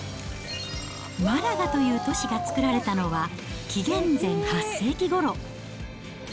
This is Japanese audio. マラガという都市が作られたのは、紀元前８世紀ごろ。